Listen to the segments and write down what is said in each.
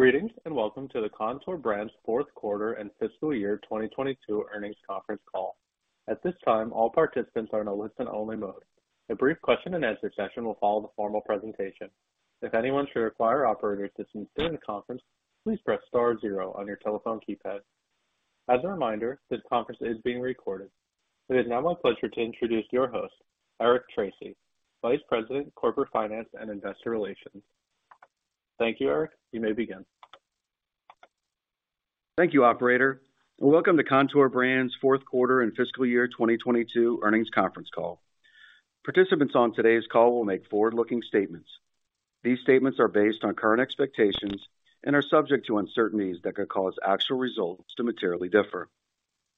Greetings. Welcome to the Kontoor Brands' Q4 and fiscal year 2022 earnings conference call. At this time, all participants are in a listen-only mode. A brief question and answer session will follow the formal presentation. If anyone should require operator assistance during the conference, please press star zero on your telephone keypad. As a reminder, this conference is being recorded. It is now my pleasure to introduce your host, Eric Tracy, Vice President, Corporate Finance and Investor Relations. Thank you, Eric. You may begin. Thank you, operator, and welcome to Kontoor Brands' Q4 and fiscal year 2022 earnings conference call. Participants on today's call will make forward-looking statements. These statements are based on current expectations and are subject to uncertainties that could cause actual results to materially differ.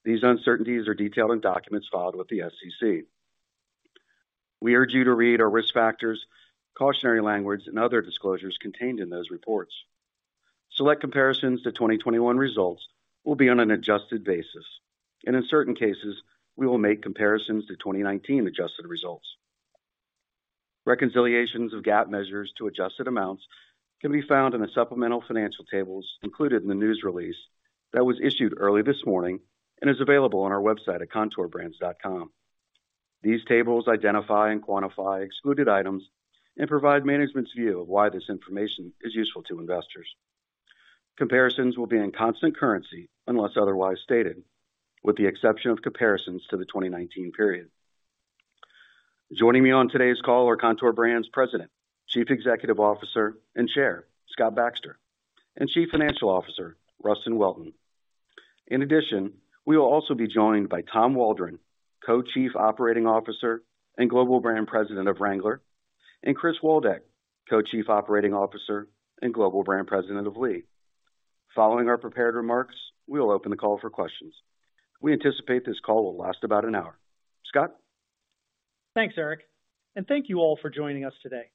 These uncertainties are detailed in documents filed with the SEC. We urge you to read our risk factors, cautionary language, and other disclosures contained in those reports. Select comparisons to 2021 results will be on an adjusted basis, and in certain cases, we will make comparisons to 2019 adjusted results. Reconciliations of GAAP measures to adjusted amounts can be found in the supplemental financial tables included in the news release that was issued early this morning and is available on our website at kontoorbrands.com. These tables identify and quantify excluded items and provide management's view of why this information is useful to investors. Comparisons will be in constant currency unless otherwise stated, with the exception of comparisons to the 2019 period. Joining me on today's call are Kontoor Brands' President, Chief Executive Officer, and Chair, Scott Baxter, and Chief Financial Officer, Rustin Welton. In addition, we will also be joined by Tom Waldron, Co-Chief Operating Officer and Global Brand President of Wrangler, and Chris Waldeck, Co-Chief Operating Officer and Global Brand President of Lee. Following our prepared remarks, we will open the call for questions. We anticipate this call will last about an hour. Scott? Thanks, Eric. Thank you all for joining us today.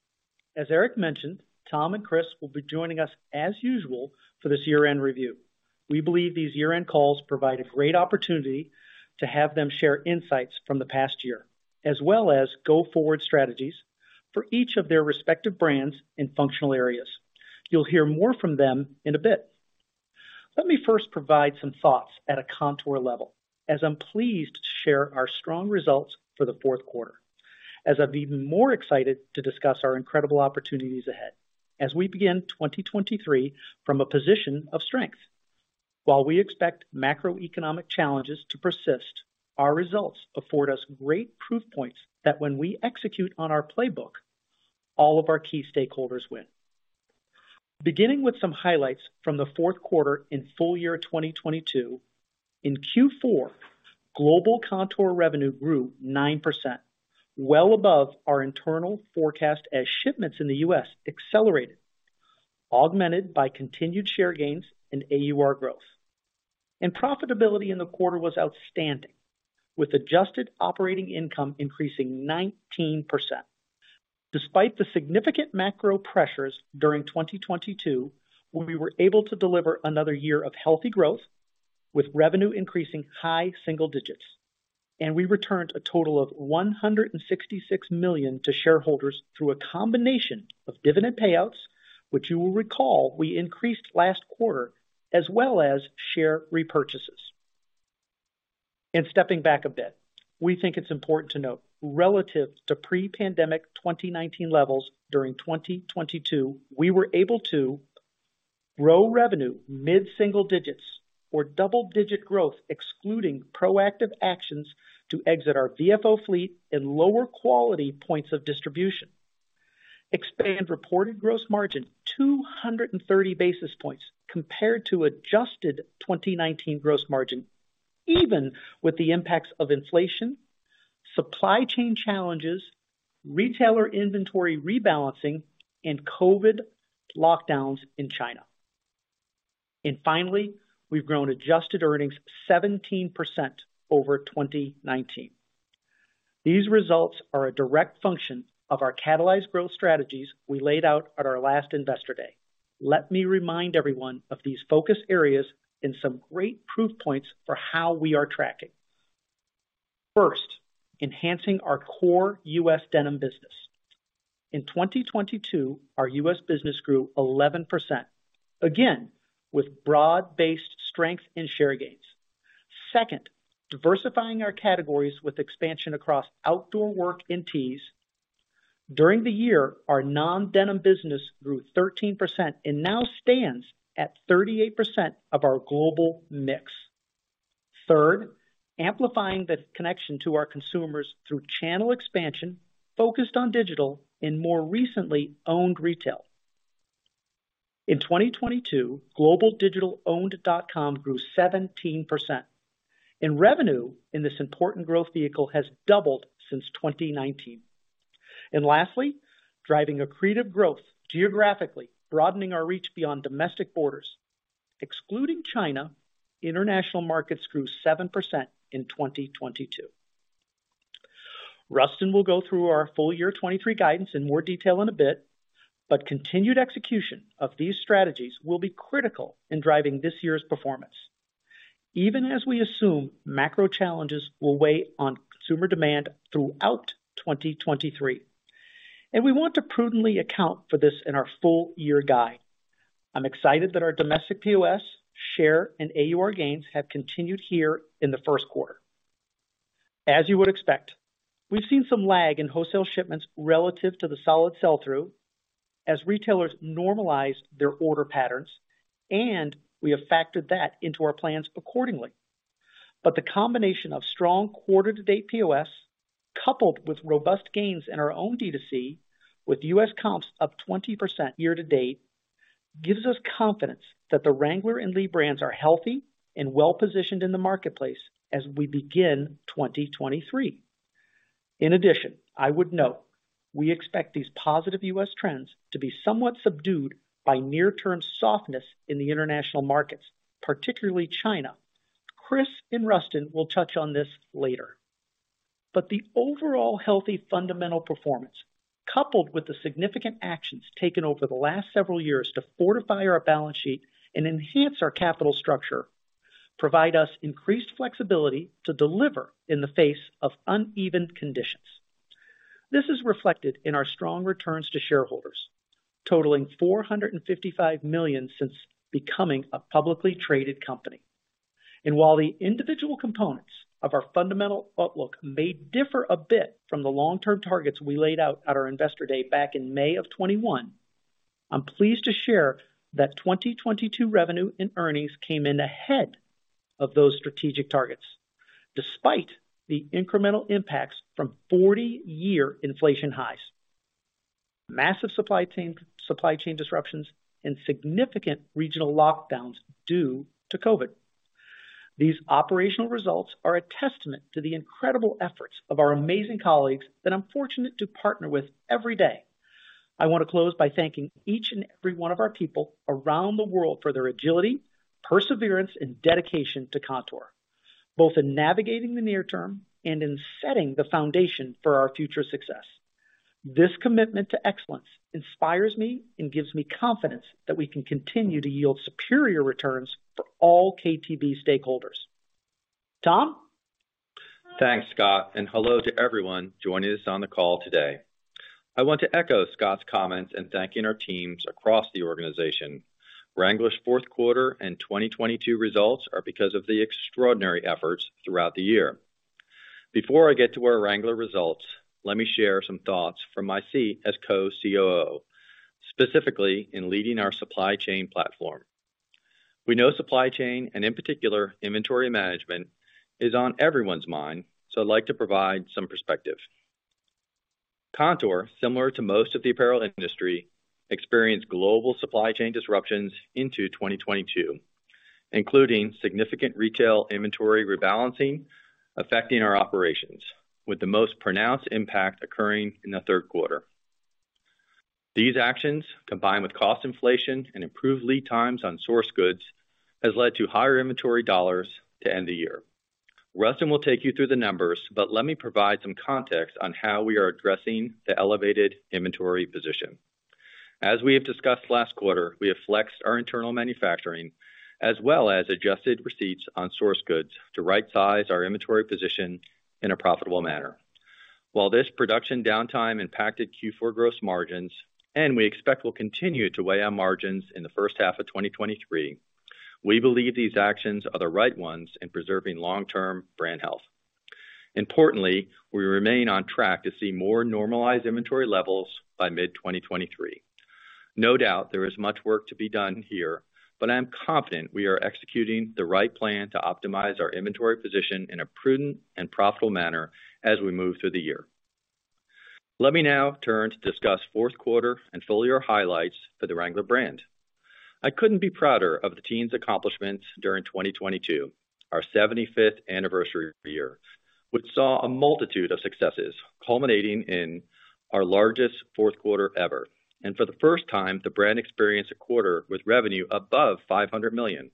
As Eric mentioned, Tom and Chris will be joining us as usual for this year-end review. We believe these year-end calls provide a great opportunity to have them share insights from the past year, as well as go forward strategies for each of their respective brands and functional areas. You'll hear more from them in a bit. Let me first provide some thoughts at a Kontoor level as I'm pleased to share our strong results for the Q4. I'm even more excited to discuss our incredible opportunities ahead as we begin 2023 from a position of strength. While we expect macroeconomic challenges to persist, our results afford us great proof points that when we execute on our playbook, all of our key stakeholders win. Beginning with some highlights from the Q4 in full year 2022. In Q4, global Kontoor revenue grew 9%, well above our internal forecast as shipments in the U.S. accelerated, augmented by continued share gains and AUR growth. Profitability in the quarter was outstanding, with adjusted operating income increasing 19%. Despite the significant macro pressures during 2022, we were able to deliver another year of healthy growth with revenue increasing high single digits. We returned a total of $166 million to shareholders through a combination of dividend payouts, which you will recall we increased last quarter, as well as share repurchases. Stepping back a bit, we think it's important to note relative to pre-pandemic 2019 levels during 2022, we were able to grow revenue mid-single digits or double-digit growth, excluding proactive actions to exit our VF Outlet and lower quality points of distribution. Expand reported gross margin 230 basis points compared to adjusted 2019 gross margin, even with the impacts of inflation, supply chain challenges, retailer inventory rebalancing, and COVID lockdowns in China. Finally, we've grown adjusted earnings 17% over 2019. These results are a direct function of our catalyzed growth strategies we laid out at our last Investor Day. Let me remind everyone of these focus areas and some great proof points for how we are tracking. First, enhancing our core U.S. denim business. In 2022, our U.S. business grew 11%, again, with broad-based strength and share gains. Second, diversifying our categories with expansion across outdoor work and tees. During the year, our non-denim business grew 13% and now stands at 38% of our global mix. Third, amplifying the connection to our consumers through channel expansion focused on digital and more recently, owned retail. In 2022, global digital owned dot com grew 17%. Revenue in this important growth vehicle has doubled since 2019. Lastly, driving accretive growth geographically, broadening our reach beyond domestic borders. Excluding China, international markets grew 7% in 2022. Rustin will go through our full year 23 guidance in more detail in a bit, but continued execution of these strategies will be critical in driving this year's performance. Even as we assume macro challenges will weigh on consumer demand throughout 2023. We want to prudently account for this in our full year guide. I'm excited that our domestic POS share and AUR gains have continued here in the Q1. As you would expect, we've seen some lag in wholesale shipments relative to the solid sell-through as retailers normalize their order patterns, and we have factored that into our plans accordingly. The combination of strong quarter to date POS, coupled with robust gains in our own D2C with U.S. comps up 20% year to date, gives us confidence that the Wrangler and Lee brands are healthy and well positioned in the marketplace as we begin 2023. In addition, I would note we expect these positive U.S. trends to be somewhat subdued by near term softness in the international markets, particularly China. Chris and Rustin will touch on this later. The overall healthy fundamental performance, coupled with the significant actions taken over the last several years to fortify our balance sheet and enhance our capital structure, provide us increased flexibility to deliver in the face of uneven conditions. This is reflected in our strong returns to shareholders, totaling $455 million since becoming a publicly traded company. While the individual components of our fundamental outlook may differ a bit from the long-term targets we laid out at our Investor Day back in May of 2021, I'm pleased to share that 2022 revenue and earnings came in ahead of those strategic targets, despite the incremental impacts from 40-year inflation highs, massive supply chain disruptions, and significant regional lockdowns due to COVID. These operational results are a testament to the incredible efforts of our amazing colleagues that I'm fortunate to partner with every day. I want to close by thanking each and every one of our people around the world for their agility, perseverance, and dedication to Kontoor, both in navigating the near term and in setting the foundation for our future success. This commitment to excellence inspires me and gives me confidence that we can continue to yield superior returns for all KTB stakeholders. Tom? Thanks, Scott. Hello to everyone joining us on the call today. I want to echo Scott's comments in thanking our teams across the organization. Wrangler's Q4 and 2022 results are because of the extraordinary efforts throughout the year. Before I get to our Wrangler results, let me share some thoughts from my seat as co-COO, specifically in leading our supply chain platform. We know supply chain, and in particular inventory management, is on everyone's mind, so I'd like to provide some perspective. Kontoor, similar to most of the apparel industry, experienced global supply chain disruptions into 2022, including significant retail inventory rebalancing affecting our operations with the most pronounced impact occurring in the Q3. These actions, combined with cost inflation and improved lead times on sourced goods, has led to higher inventory dollars to end the year. Rustin will take you through the numbers, but let me provide some context on how we are addressing the elevated inventory position. As we have discussed last quarter, we have flexed our internal manufacturing as well as adjusted receipts on sourced goods to right size our inventory position in a profitable manner. While this production downtime impacted Q4 gross margins and we expect will continue to weigh on margins in the first half of 2023, we believe these actions are the right ones in preserving long term brand health. Importantly, we remain on track to see more normalized inventory levels by mid-2023. No doubt there is much work to be done here, but I am confident we are executing the right plan to optimize our inventory position in a prudent and profitable manner as we move through the year. Let me now turn to discuss Q4 and full year highlights for the Wrangler brand. I couldn't be prouder of the team's accomplishments during 2022, our 75th anniversary year, which saw a multitude of successes culminating in our largest Q4 ever. For the first time, the brand experienced a quarter with revenue above $500 million.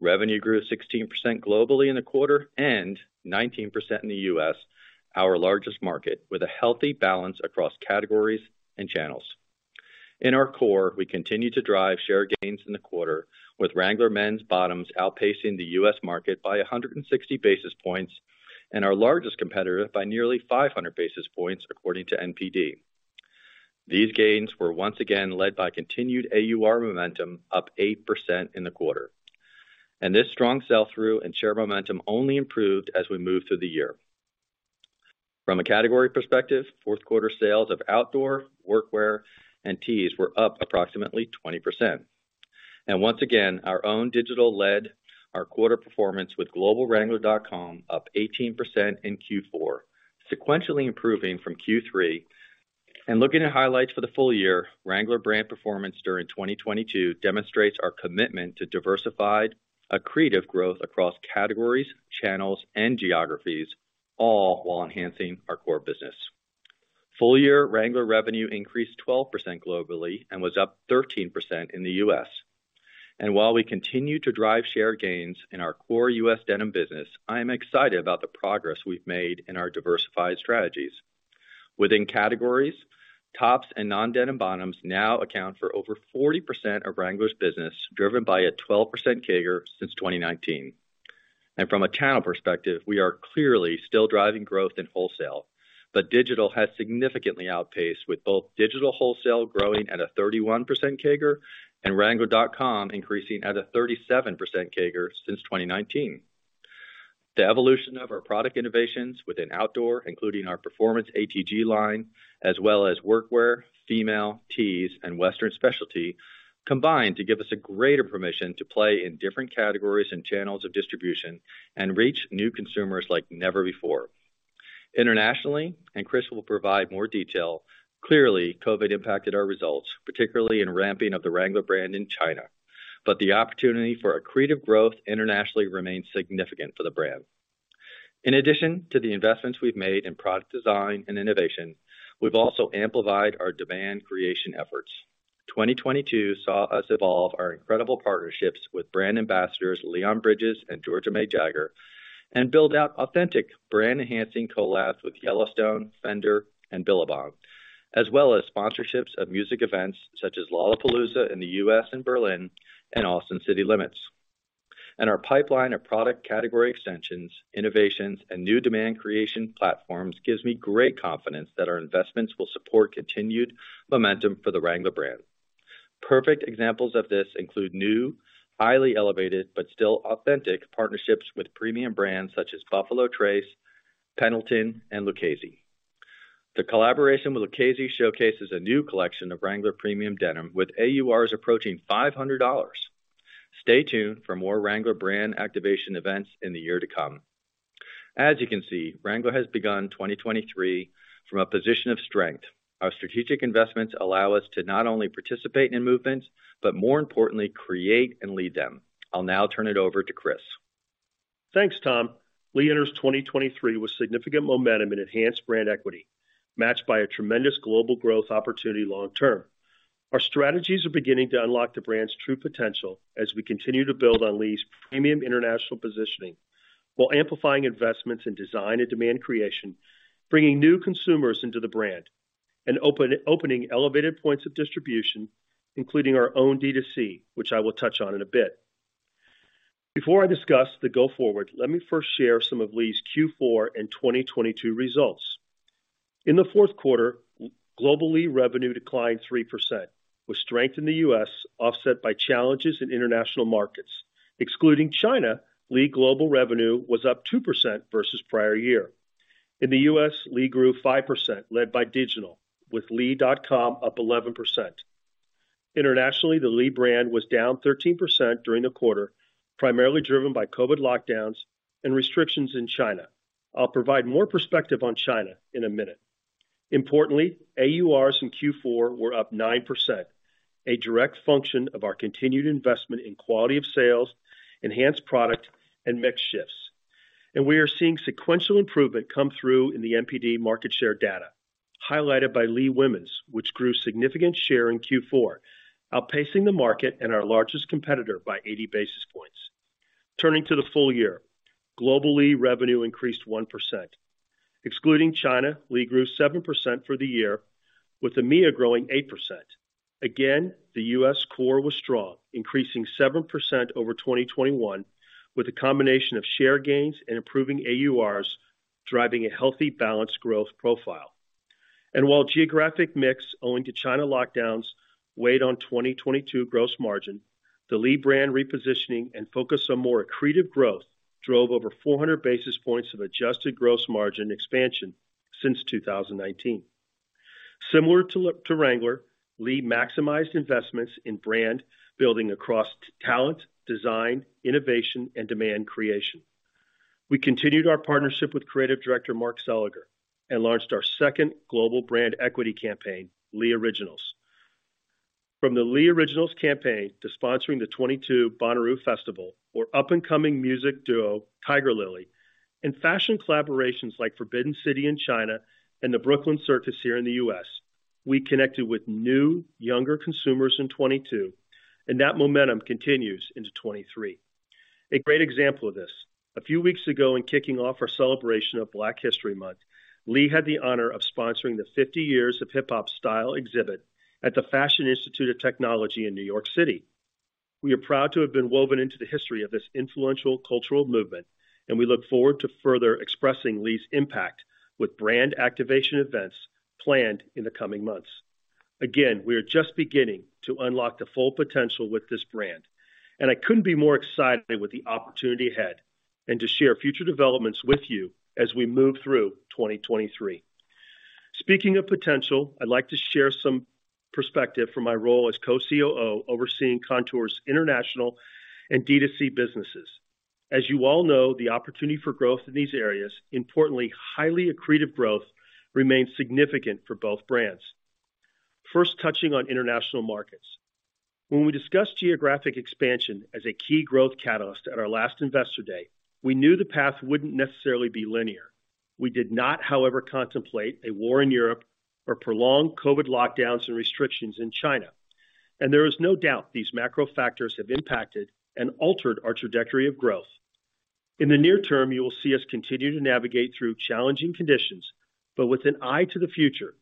Revenue grew 16% globally in the quarter and 19% in the U.S., our largest market, with a healthy balance across categories and channels. In our core, we continued to drive share gains in the quarter, with Wrangler men's bottoms outpacing the U.S. market by 160 basis points and our largest competitor by nearly 500 basis points, according to NPD. These gains were once again led by continued AUR momentum, up 8% in the quarter. This strong sell through and share momentum only improved as we moved through the year. From a category perspective, Q4 sales of outdoor, work wear, and tees were up approximately 20%. Once again, our own digital led our quarter performance with globalwrangler.com up 18% in Q4, sequentially improving from Q3. Looking at highlights for the full year, Wrangler brand performance during 2022 demonstrates our commitment to diversified, accretive growth across categories, channels, and geographies, all while enhancing our core business. Full year Wrangler revenue increased 12% globally and was up 13% in the U.S. While we continue to drive share gains in our core U.S. denim business, I am excited about the progress we've made in our diversified strategies. Within categories, tops and non-denim bottoms now account for over 40% of Wrangler's business, driven by a 12% CAGR since 2019. From a channel perspective, we are clearly still driving growth in wholesale, but digital has significantly outpaced with both digital wholesale growing at a 31% CAGR and wrangler.com increasing at a 37% CAGR since 2019. The evolution of our product innovations within outdoor, including our performance ATG line, as well as workwear, female tees, and Western specialty, combine to give us a greater permission to play in different categories and channels of distribution and reach new consumers like never before. Internationally, Chris will provide more detail, clearly COVID impacted our results, particularly in ramping of the Wrangler brand in China. The opportunity for accretive growth internationally remains significant for the brand. In addition to the investments we've made in product design and innovation, we've also amplified our demand creation efforts. 2022 saw us evolve our incredible partnerships with brand ambassadors Leon Bridges and Georgia May Jagger, and build out authentic brand enhancing collabs with Yellowstone, Fender, and Billabong, as well as sponsorships of music events such as Lollapalooza in the U.S. and Berlin, and Austin City Limits. Our pipeline of product category extensions, innovations, and new demand creation platforms gives me great confidence that our investments will support continued momentum for the Wrangler brand. Perfect examples of this include new, highly elevated, but still authentic partnerships with premium brands such as Buffalo Trace, Pendleton, and Lucchese. The collaboration with Lucchese showcases a new collection of Wrangler premium denim with AURs approaching $500. Stay tuned for more Wrangler brand activation events in the year to come. As you can see, Wrangler has begun 2023 from a position of strength. Our strategic investments allow us to not only participate in movements, but more importantly, create and lead them. I'll now turn it over to Chris. Thanks, Tom. Lee enters 2023 with significant momentum and enhanced brand equity, matched by a tremendous global growth opportunity long term. Our strategies are beginning to unlock the brand's true potential as we continue to build on Lee's premium international positioning while amplifying investments in design and demand creation, bringing new consumers into the brand and opening elevated points of distribution, including our own D2C, which I will touch on in a bit. Before I discuss the go forward, let me first share some of Lee's Q4 and 2022 results. In the Q4, globally revenue declined 3%, with strength in the U.S. offset by challenges in international markets. Excluding China, Lee global revenue was up 2% versus prior year. In the U.S., Lee grew 5% led by digital, with lee.com up 11%. Internationally, the Lee brand was down 13% during the quarter, primarily driven by COVID lockdowns and restrictions in China. I'll provide more perspective on China in a minute. Importantly, AURs in Q4 were up 9%, a direct function of our continued investment in quality of sales, enhanced product, and mix shifts. We are seeing sequential improvement come through in the NPD market share data, highlighted by Lee Women's, which grew significant share in Q4, outpacing the market and our largest competitor by 80 basis points. Turning to the full year, globally revenue increased 1%. Excluding China, Lee grew 7% for the year, with EMEA growing 8%. Again, the U.S. core was strong, increasing 7% over 2021, with a combination of share gains and improving AURs driving a healthy balanced growth profile. While geographic mix owing to China lockdowns weighed on 2022 gross margin, the Lee brand repositioning and focus on more accretive growth drove over 400 basis points of adjusted gross margin expansion since 2019. Similar to Wrangler, Lee maximized investments in brand building across talent, design, innovation, and demand creation. We continued our partnership with creative director Mark Seliger and launched our second global brand equity campaign, Lee Originals. From the Lee Originals campaign to sponsoring the 2022 Bonnaroo Festival or up-and-coming music duo Tigirlily, and fashion collaborations like Forbidden City in China and The Brooklyn Circus here in the U.S., we connected with new younger consumers in 2022, and that momentum continues into 2023. A great example of this, a few weeks ago in kicking off our celebration of Black History Month, Lee had the honor of sponsoring the 50 years of hip hop style exhibit at the Fashion Institute of Technology in New York City. We are proud to have been woven into the history of this influential cultural movement. We look forward to further expressing Lee's impact with brand activation events planned in the coming months. Again, we are just beginning to unlock the full potential with this brand. I couldn't be more excited with the opportunity ahead and to share future developments with you as we move through 2023. Speaking of potential, I'd like to share some perspective from my role as co-COO overseeing Kontoor International and D2C businesses. As you all know, the opportunity for growth in these areas, importantly, highly accretive growth, remains significant for both brands. First touching on international markets. When we discussed geographic expansion as a key growth catalyst at our last Investor Day, we knew the path wouldn't necessarily be linear. We did not, however, contemplate a war in Europe or prolonged COVID lockdowns and restrictions in China. There is no doubt these macro factors have impacted and altered our trajectory of growth. In the near term, you will see us continue to navigate through challenging conditions, but with an eye to the future,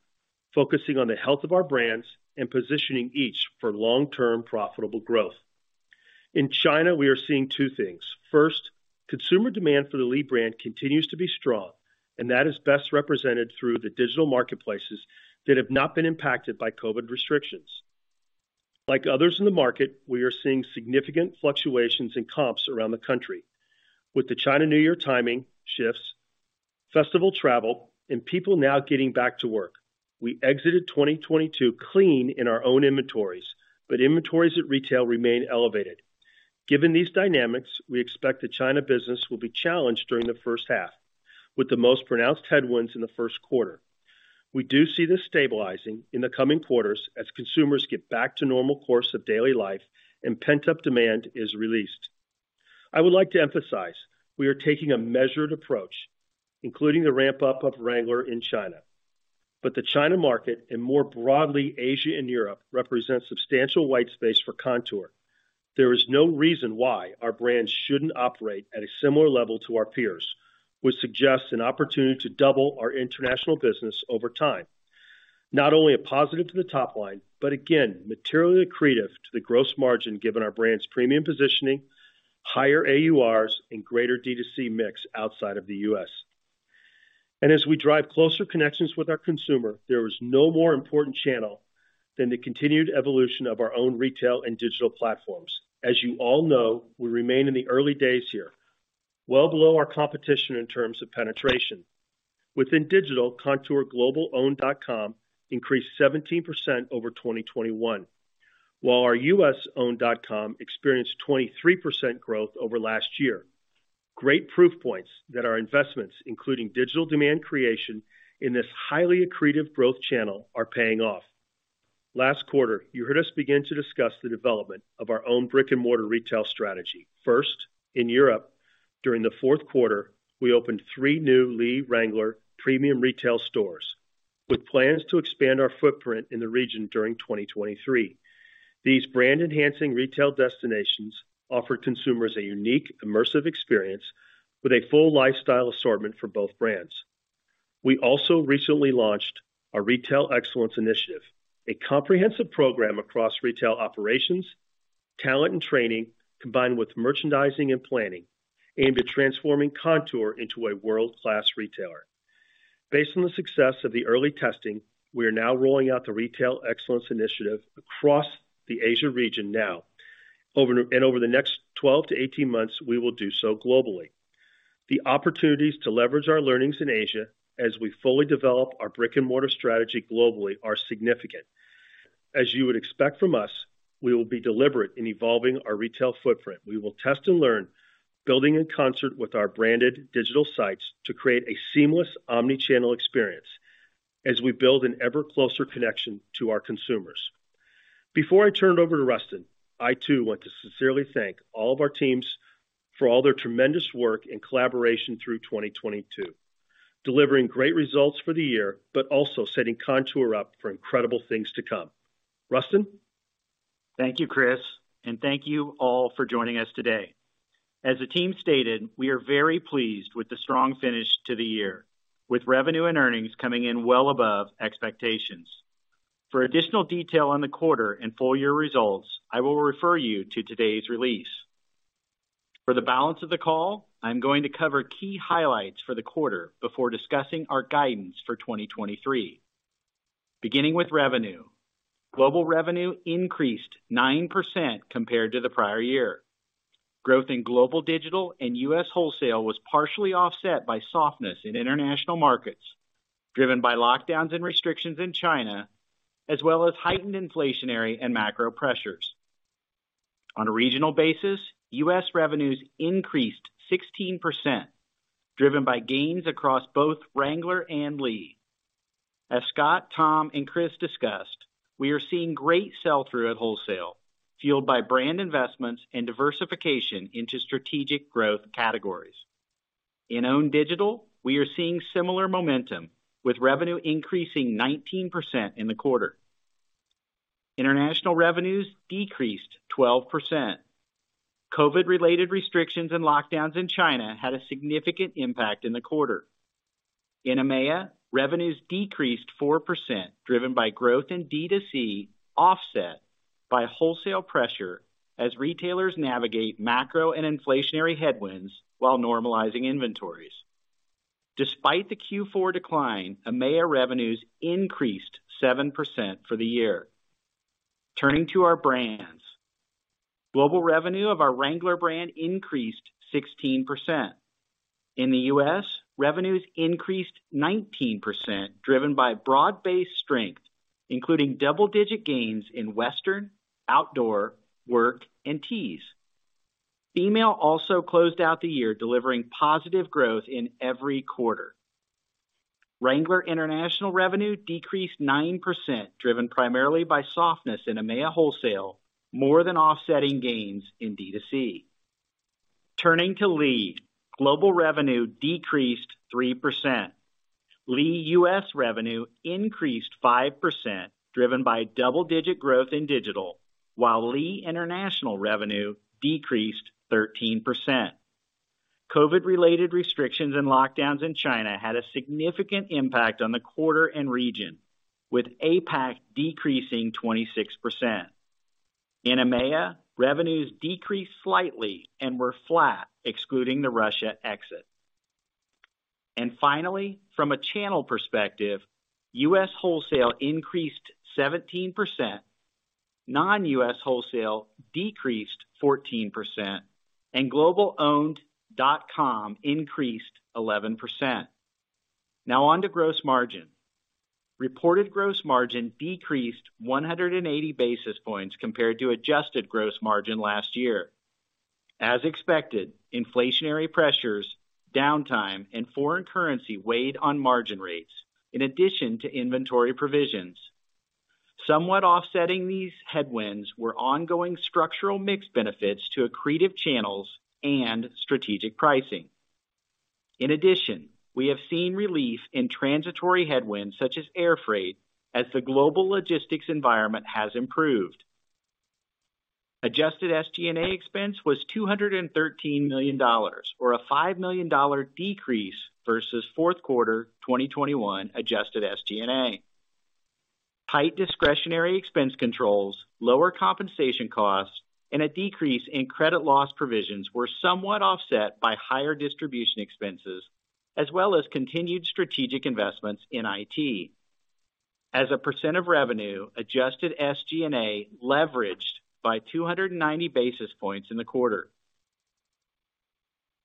focusing on the health of our brands and positioning each for long-term profitable growth. In China, we are seeing two things. First, consumer demand for the Lee brand continues to be strong, and that is best represented through the digital marketplaces that have not been impacted by COVID restrictions. Like others in the market, we are seeing significant fluctuations in comps around the country. With the Chinese New Year timing shifts, festival travel, and people now getting back to work, we exited 2022 clean in our own inventories, but inventories at retail remain elevated. Given these dynamics, we expect the China business will be challenged during the first half, with the most pronounced headwinds in the Q1. We do see this stabilizing in the coming quarters as consumers get back to normal course of daily life and pent-up demand is released. I would like to emphasize, we are taking a measured approach, including the ramp-up of Wrangler in China. The China market, and more broadly, Asia and Europe, represents substantial white space for Kontoor. There is no reason why our brands shouldn't operate at a similar level to our peers, which suggests an opportunity to double our international business over time. Not only a positive to the top line, but again, materially accretive to the gross margin given our brand's premium positioning, higher AURs, and greater D2C mix outside of the U.S. As we drive closer connections with our consumer, there is no more important channel than the continued evolution of our own retail and digital platforms. As you all know, we remain in the early days here, well below our competition in terms of penetration. Within digital, Kontoor global owned.com increased 17% over 2021, while our U.S. owned.com experienced 23% growth over last year. Great proof points that our investments, including digital demand creation in this highly accretive growth channel, are paying off. Last quarter, you heard us begin to discuss the development of our own brick-and-mortar retail strategy. First, in Europe, during the Q1, we opened three new Lee Wrangler premium retail stores, with plans to expand our footprint in the region during 2023. These brand-enhancing retail destinations offer consumers a unique immersive experience with a full lifestyle assortment for both brands. We also recently launched our Retail Excellence Initiative, a comprehensive program across retail operations, talent and training, combined with merchandising and planning, aimed at transforming Kontoor into a world-class retailer. Over the next 12 to 18 months, we will do so globally. The opportunities to leverage our learnings in Asia as we fully develop our brick-and-mortar strategy globally are significant. As you would expect from us, we will be deliberate in evolving our retail footprint. We will test and learn, building in concert with our branded digital sites to create a seamless omni-channel experience as we build an ever closer connection to our consumers. Before I turn it over to Rustin, I too want to sincerely thank all of our teams for all their tremendous work and collaboration through 2022, delivering great results for the year, also setting Kontoor up for incredible things to come. Rustin? Thank you, Chris. Thank you all for joining us today. As the team stated, we are very pleased with the strong finish to the year, with revenue and earnings coming in well above expectations. For additional detail on the quarter and full year results, I will refer you to today's release. For the balance of the call, I'm going to cover key highlights for the quarter before discussing our guidance for 2023. Beginning with revenue. Global revenue increased 9% compared to the prior year. Growth in global digital and U.S. wholesale was partially offset by softness in international markets, driven by lockdowns and restrictions in China, as well as heightened inflationary and macro pressures. On a regional basis, U.S. revenues increased 16%, driven by gains across both Wrangler and Lee. As Scott, Tom, and Chris discussed, we are seeing great sell-through at wholesale, fueled by brand investments and diversification into strategic growth categories. In owned digital, we are seeing similar momentum, with revenue increasing 19% in the quarter. International revenues decreased 12%. COVID-related restrictions and lockdowns in China had a significant impact in the quarter. In EMEA, revenues decreased 4%, driven by growth in D2C, offset by wholesale pressure as retailers navigate macro and inflationary headwinds while normalizing inventories. Despite the Q4 decline, EMEA revenues increased 7% for the year. Turning to our brands. Global revenue of our Wrangler brand increased 16%. In the U.S., revenues increased 19%, driven by broad-based strength, including double-digit gains in western, outdoor, work, and tees. Female also closed out the year delivering positive growth in every quarter. Wrangler international revenue decreased 9%, driven primarily by softness in EMEA wholesale, more than offsetting gains in D2C. Turning to Lee. Global revenue decreased 3%. Lee U.S. revenue increased 5%, driven by double-digit growth in digital, while Lee International revenue decreased 13%. COVID-related restrictions and lockdowns in China had a significant impact on the quarter and region, with APAC decreasing 26%. In EMEA, revenues decreased slightly and were flat, excluding the Russia exit. Finally, from a channel perspective, U.S. wholesale increased 17%, non-U.S. wholesale decreased 14%, and global owned dot-com increased 11%. Now on to gross margin. Reported gross margin decreased 180 basis points compared to adjusted gross margin last year. As expected, inflationary pressures, downtime, and foreign currency weighed on margin rates in addition to inventory provisions. Somewhat offsetting these headwinds were ongoing structural mix benefits to accretive channels and strategic pricing. We have seen relief in transitory headwinds such as air freight as the global logistics environment has improved. Adjusted SG&A expense was $213 million, or a $5 million decrease versus Q4 2021 adjusted SG&A. Tight discretionary expense controls, lower compensation costs, and a decrease in credit loss provisions were somewhat offset by higher distribution expenses as well as continued strategic investments in IT. As a "*percentage*" of revenue, adjusted SG&A leveraged by 290 basis points in the quarter.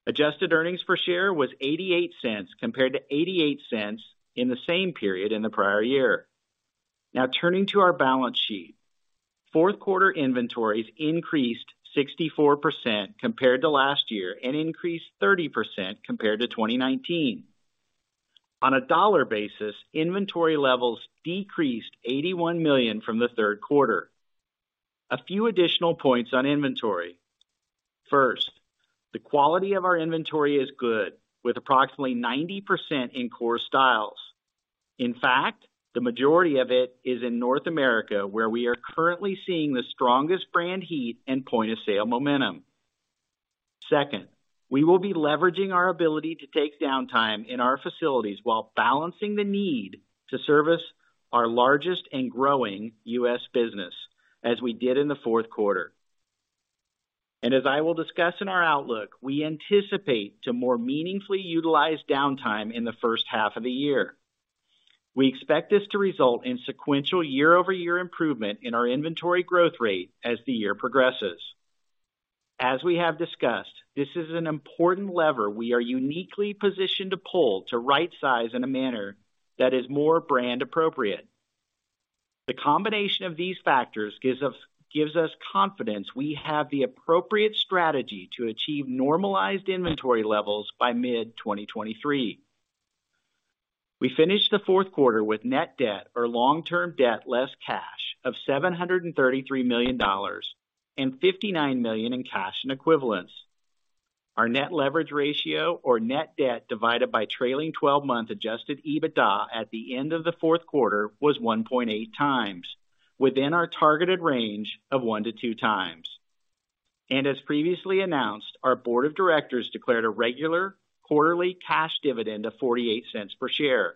Adjusted earnings per share was $0.88 compared to $0.88 in the same period in the prior year. Turning to our balance sheet.Q4 inventories increased 64% compared to last year and increased 30% compared to 2019. On a dollar basis, inventory levels decreased $81 million from the Q3. A few additional points on inventory. First, the quality of our inventory is good, with approximately 90% in core styles. In fact, the majority of it is in North America, where we are currently seeing the strongest brand heat and point of sale momentum. Second, we will be leveraging our ability to take downtime in our facilities while balancing the need to service our largest and growing U.S. business as we did in the Q4. As I will discuss in our outlook, we anticipate to more meaningfully utilize downtime in the first half of the year. We expect this to result in sequential year-over-year improvement in our inventory growth rate as the year progresses. As we have discussed, this is an important lever we are uniquely positioned to pull to right size in a manner that is more brand appropriate. The combination of these factors gives us confidence we have the appropriate strategy to achieve normalized inventory levels by mid 2023. We finished the Q4 with net debt or long-term debt less cash of $733 million and $59 million in cash and equivalents. Our net leverage ratio or net debt divided by trailing twelve-month Adjusted EBITDA at the end of the Q4 was 1.8 times within our targeted range of One to Two times. As previously announced, our board of directors declared a regular quarterly cash dividend of $0.48 per share.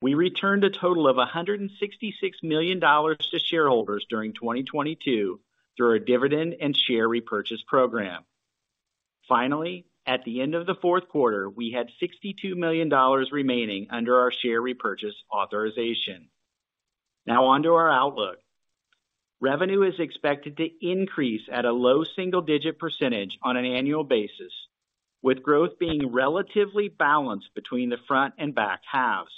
We returned a total of $166 million to shareholders during 2022 through our dividend and share repurchase program. Finally, at the end of the Q4, we had $62 million remaining under our share repurchase authorization. Now on to our outlook. Revenue is expected to increase at a low single-digit "*percentage*" on an annual basis, with growth being relatively balanced between the front and back halves.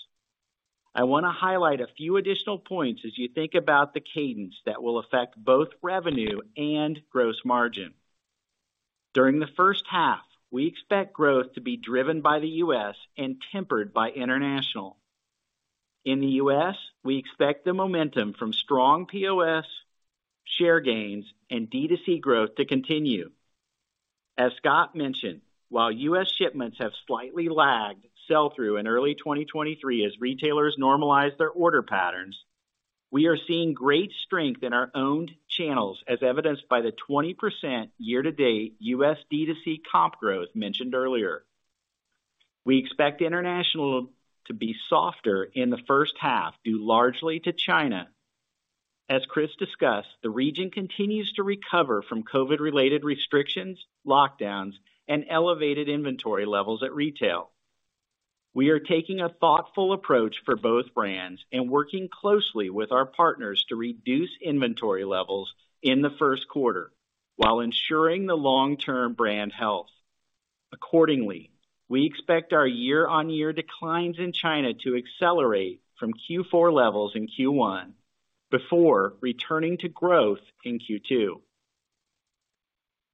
I want to highlight a few additional points as you think about the cadence that will affect both revenue and gross margin. During the first half, we expect growth to be driven by the U.S. and tempered by international. In the U.S., we expect the momentum from strong POS share gains and D2C growth to continue. As Scott mentioned, while U.S. shipments have slightly lagged sell-through in early 2023 as retailers normalize their order patterns, we are seeing great strength in our owned channels as evidenced by the 20% year-to-date U.S. D2C comp growth mentioned earlier. We expect international to be softer in the first half due largely to China. As Chris discussed, the region continues to recover from COVID-related restrictions, lockdowns, and elevated inventory levels at retail. We are taking a thoughtful approach for both brands and working closely with our partners to reduce inventory levels in the Q1 while ensuring the long-term brand health. Accordingly, we expect our year-on-year declines in China to accelerate from Q4 levels in Q1 before returning to growth in Q2.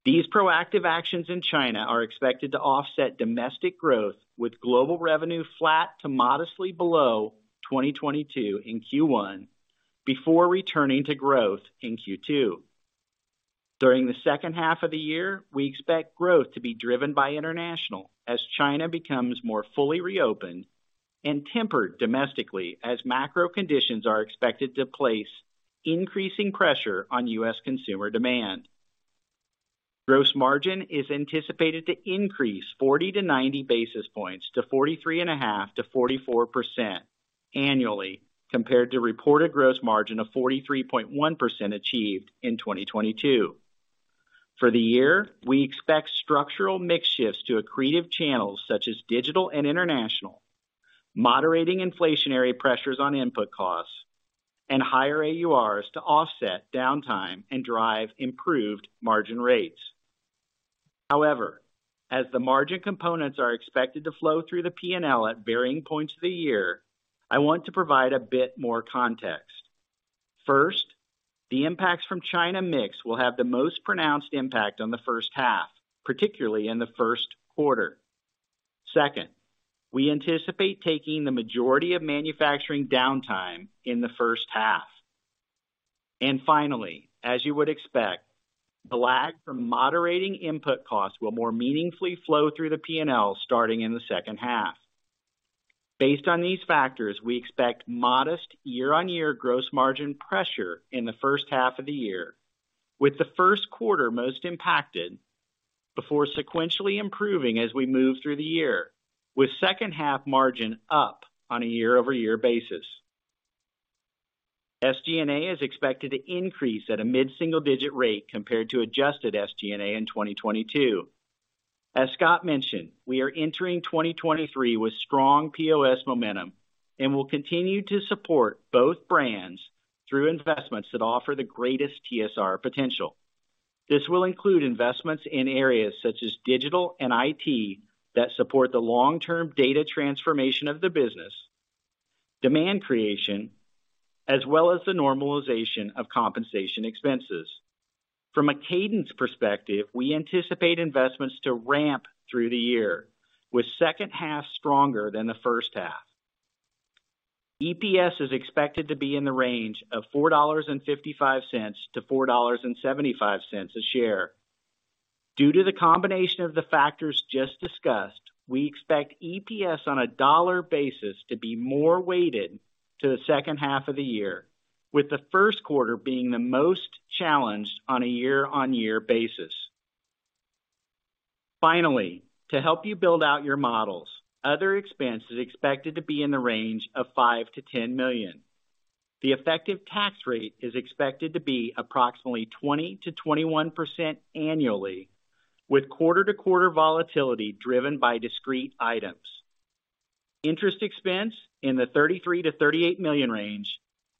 These proactive actions in China are expected to offset domestic growth with global revenue flat to modestly below 2022 in Q1 before returning to growth in Q2. During the second half of the year, we expect growth to be driven by international as China becomes more fully reopened and tempered domestically, as macro conditions are expected to place increasing pressure on U.S. consumer demand. Gross margin is anticipated to increase 40 to 90 basis points to 43.5%-44% annually compared to reported gross margin of 43.1% achieved in 2022. For the year, we expect structural mix shifts to accretive channels such as digital and international, moderating inflationary pressures on input costs and higher AURs to offset downtime and drive improved margin rates. However, as the margin components are expected to flow through the P&L at varying points of the year, I want to provide a bit more context. First, the impacts from China mix will have the most pronounced impact on the first half, particularly in the Q1. Second, we anticipate taking the majority of manufacturing downtime in the first half. Finally, as you would expect, the lag from moderating input costs will more meaningfully flow through the P&L starting in the second half. Based on these factors, we expect modest year-on-year gross margin pressure in the first half of the year, with the Q1 most impacted before sequentially improving as we move through the year, with second half margin up on a year-over-year basis. SG&A is expected to increase at a mid-single digit rate compared to adjusted SG&A in 2022. As Scott mentioned, we are entering 2023 with strong POS momentum and will continue to support both brands through investments that offer the greatest TSR potential. This will include investments in areas such as digital and IT that support the long-term data transformation of the business, demand creation, as well as the normalization of compensation expenses. From a cadence perspective, we anticipate investments to ramp through the year, with second half stronger than the first half. EPS is expected to be in the range of $4.55-$4.75 a share. Due to the combination of the factors just discussed, we expect EPS on a dollar basis to be more weighted to the second half of the year, with the Q1 being the most challenged on a year-on-year basis. Finally, to help you build out your models, other expense is expected to be in the range of $5 million-$10 million. The effective tax rate is expected to be approximately 20%-21% annually, with quarter-to-quarter volatility driven by discrete items. Interest expense in the $33 million-$38 million range,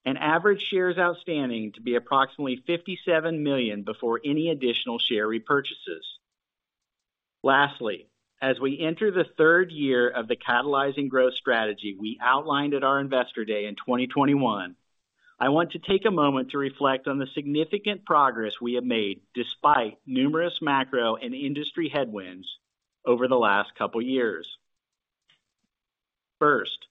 and average shares outstanding to be approximately $57 million before any additional share repurchases. Lastly, as we enter the third year of the catalyzing growth strategy we outlined at our Investor Day in 2021, I want to take a moment to reflect on the significant progress we have made despite numerous macro and industry headwinds over the last couple years. First,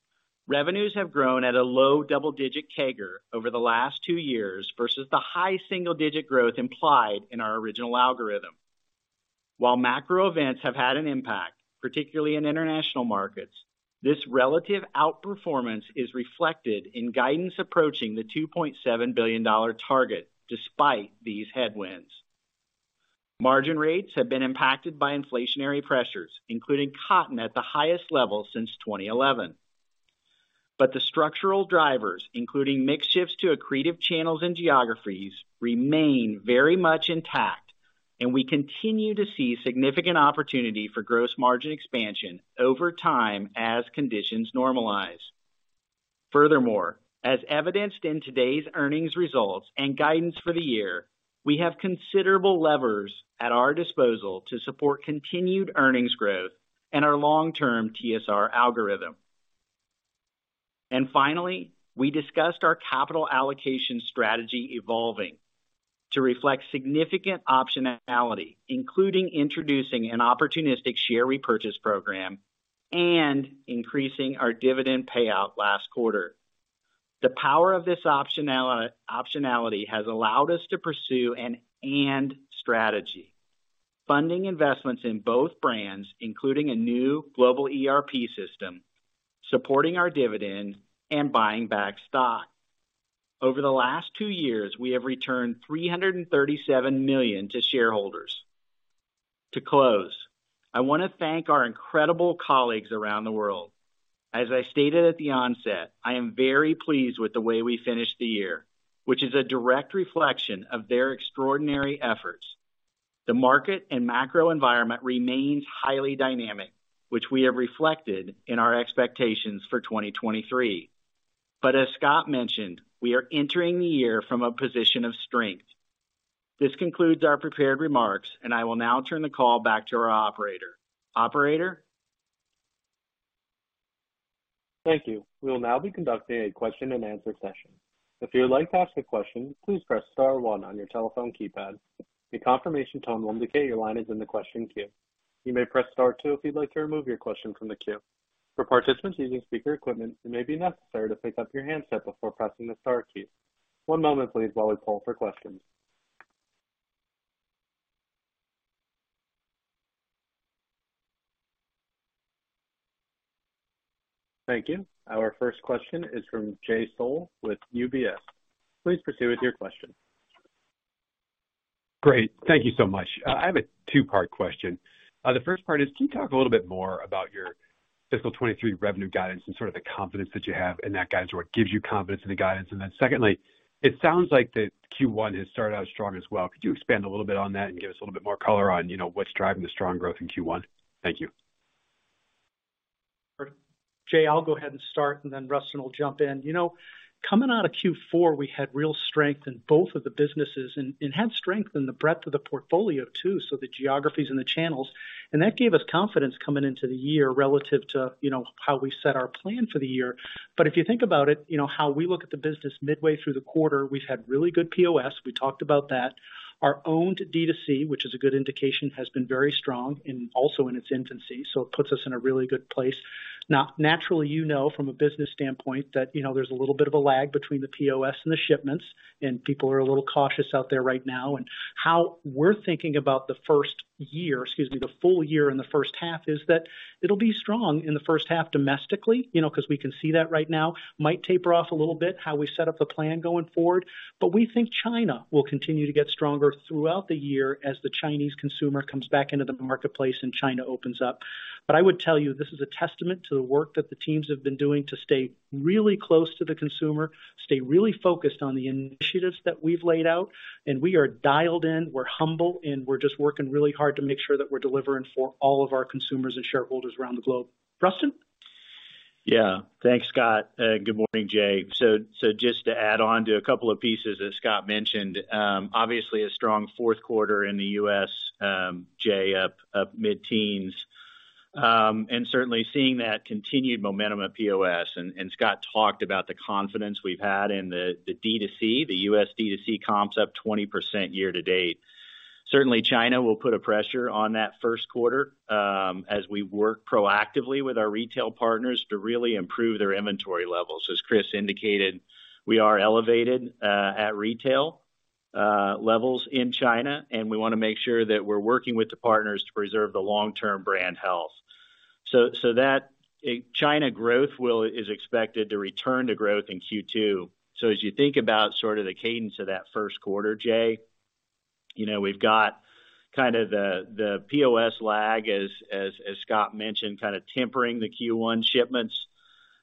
revenues have grown at a low double-digit CAGR over the last two years versus the high single-digit growth implied in our original algorithm. While macro events have had an impact, particularly in international markets, this relative outperformance is reflected in guidance approaching the $2.7 billion target despite these headwinds. Margin rates have been impacted by inflationary pressures, including cotton at the highest level since 2011. The structural drivers, including mix shifts to accretive channels and geographies, remain very much intact, and we continue to see significant opportunity for gross margin expansion over time as conditions normalize. Furthermore, as evidenced in today's earnings results and guidance for the year, we have considerable levers at our disposal to support continued earnings growth and our long-term TSR algorithm. Finally, we discussed our capital allocation strategy evolving to reflect significant optionality, including introducing an opportunistic share repurchase program and increasing our dividend payout last quarter. The power of this optionality has allowed us to pursue an and strategy. Funding investments in both brands, including a new global ERP system, supporting our dividend and buying back stock. Over the last two years, we have returned $337 million to shareholders. To close, I wanna thank our incredible colleagues around the world. As I stated at the onset, I am very pleased with the way we finished the year, which is a direct reflection of their extraordinary efforts. The market and macro environment remains highly dynamic, which we have reflected in our expectations for 2023. As Scott mentioned, we are entering the year from a position of strength. This concludes our prepared remarks, and I will now turn the call back to our operator. Operator? Thank you. We will now be conducting a question and answer session. If you would like to ask a question, please press star one on your telephone keypad. A confirmation tone will indicate your line is in the question queue. You may press Star two if you'd like to remove your question from the queue. For participants using speaker equipment, it may be necessary to pick up your handset before pressing the star key. One moment please while we poll for questions. Thank you. Our first question is from Jay Sole with UBS. Please proceed with your question. Great. Thank you so much. I have a two-part question. The first part is, can you talk a little bit more about your fiscal 2023 revenue guidance and sort of the confidence that you have in that guidance, or what gives you confidence in the guidance? Secondly, it sounds like the Q1 has started out strong as well. Could you expand a little bit on that and give us a little bit more color on, you know, what's driving the strong growth in Q1? Thank you. Jay, I'll go ahead and start, and then Rustin will jump in. You know, coming out of Q4, we had real strength in both of the businesses and had strength in the breadth of the portfolio too, so the geographies and the channels. That gave us confidence coming into the year relative to, you know, how we set our plan for the year. If you think about it, you know, how we look at the business midway through the quarter, we've had really good POS. We talked about that. Our own D2C, which is a good indication, has been very strong and also in its infancy, so it puts us in a really good place. Now, naturally, you know from a business standpoint that, you know, there's a little bit of a lag between the POS and the shipments, and people are a little cautious out there right now. How we're thinking about the full year and the first half is that it'll be strong in the first half domestically, you know, 'cause we can see that right now. Might taper off a little bit how we set up the plan going forward, but we think China will continue to get stronger throughout the year as the Chinese consumer comes back into the marketplace and China opens up. I would tell you, this is a testament to the work that the teams have been doing to stay really close to the consumer, stay really focused on the initiatives that we've laid out, and we are dialed in, we're humble, and we're just working really hard to make sure that we're delivering for all of our consumers and shareholders around the globe. Rustin. Yeah. Thanks, Scott. Good morning, Jay. Just to add on to a couple of pieces that Scott mentioned, obviously a strong Q4 in the U.S., Jay, up mid-teens. Certainly seeing that continued momentum at POS. Scott talked about the confidence we've had in the D2C, the U.S. D2C comps up 20% year-to-date. Certainly, China will put a pressure on that Q1 as we work proactively with our retail partners to really improve their inventory levels. As Chris indicated, we are elevated at retail levels in China, and we wanna make sure that we're working with the partners to preserve the long-term brand health. China growth is expected to return to growth in Q2. As you think about sort of the cadence of that Q1, Jay, you know, we've got kind of the POS lag as Scott mentioned, kind of tempering the Q1 shipments,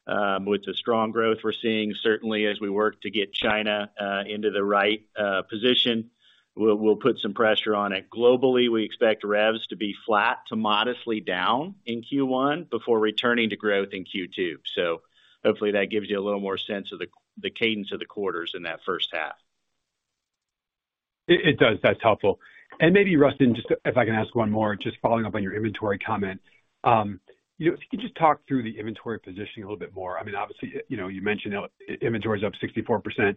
with the strong growth we're seeing certainly as we work to get China into the right position. We'll put some pressure on it. Globally, we expect revs to be flat to modestly down in Q1 before returning to growth in Q2. Hopefully that gives you a little more sense of the cadence of the quarters in that first half. It does. That's helpful. Maybe, Rustin, just if I can ask one more, just following up on your inventory comment. You know, if you could just talk through the inventory positioning a little bit more. I mean, obviously, you know, you mentioned that inventory is up 64%. Can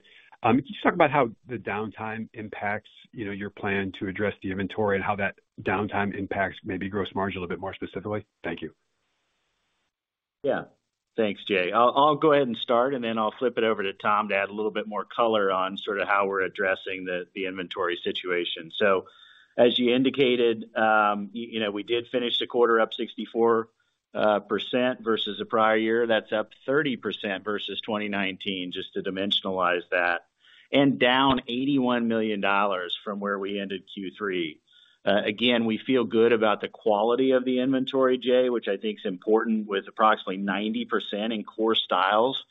you just talk about how the downtime impacts, you know, your plan to address the inventory and how that downtime impacts maybe gross margin a little bit more specifically? Thank you. Yeah. Thanks, Jay. I'll go ahead and start. Then I'll flip it over to Tom to add a little bit more color on sort of how we're addressing the inventory situation. As you indicated, you know, we did finish the quarter up 64% versus the prior year. That's up 30% versus 2019, just to dimensionalize that. Down $81 million from where we ended Q3. Again, we feel good about the quality of the inventory, Jay, which I think is important, with approximately 90% in core styles.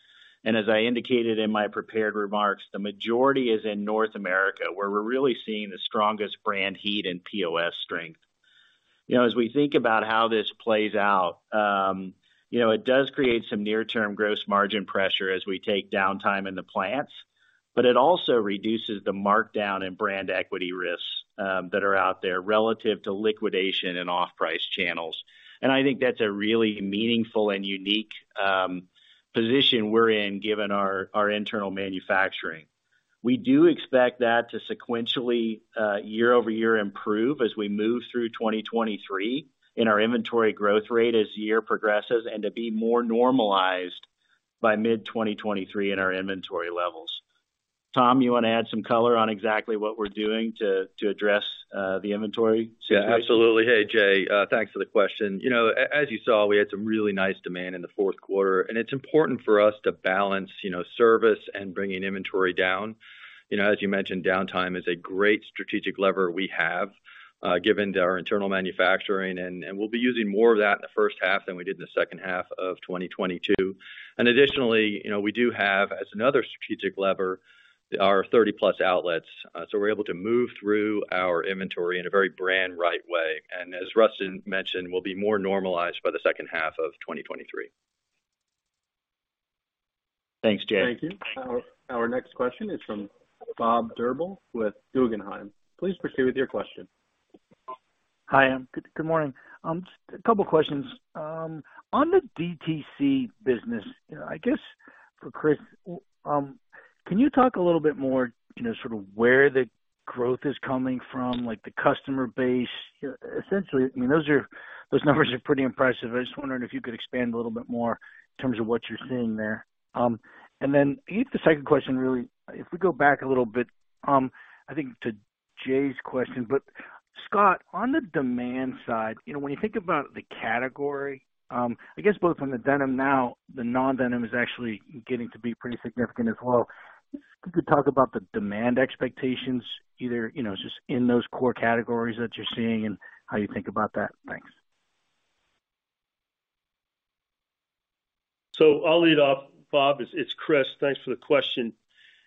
As I indicated in my prepared remarks, the majority is in North America, where we're really seeing the strongest brand heat and POS strength. You know, as we think about how this plays out, it does create some near-term gross margin pressure as we take downtime in the plants, but it also reduces the markdown in brand equity risks that are out there relative to liquidation and off-price channels. I think that's a really meaningful and unique position we're in given our internal manufacturing. We do expect that to sequentially year-over-year improve as we move through 2023 in our inventory growth rate as the year progresses and to be more normalized by mid-2023 in our inventory levels. Tom, you wanna add some color on exactly what we're doing to address the inventory situation? Yeah, absolutely. Hey, Jay, thanks for the question. You know, as you saw, we had some really nice demand in the Q4, and it's important for us to balance, you know, service and bringing inventory down. You know, as you mentioned, downtime is a great strategic lever we have, given our internal manufacturing, and we'll be using more of that in the first half than we did in the second half of 2022. Additionally, you know, we do have, as another strategic lever, our 30-plus outlets. We're able to move through our inventory in a very brand right way. As Rustin mentioned, we'll be more normalized by the second half of 2023. Thanks, Jay. Thank you. Our next question is from Bob Drbul with Guggenheim. Please proceed with your question. Hi, good morning. Just a couple questions. On the DTC business, you know, for Chris, can you talk a little bit more, you know, sort of where the growth is coming from, like the customer base? Essentially, I mean, those numbers are pretty impressive. I was just wondering if you could expand a little bit more in terms of what you're seeing there. The second question really, if we go back a little bit, I think to Jay's question. Scott, on the demand side, you know, when you think about the category, I guess both on the denim now the non-denim is actually getting to be pretty significant as well. Could you talk about the demand expectations either, you know, just in those core categories that you're seeing and how you think about that? Thanks. I'll lead off, Bob. It's Chris. Thanks for the question.